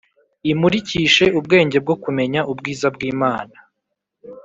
imurikishe ubwenge bwo kumenya ubwiza bw Imana